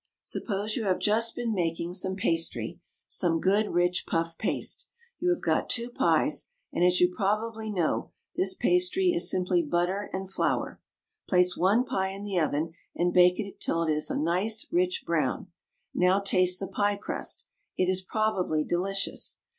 Suppose you have just been making some pastry some good, rich, puff paste you have got two pies, and, as you probably know, this pastry is simply butter and flour. Place one pie in the oven and bake it till it is a nice rich brown. Now taste the pie crust. It is probably delicious.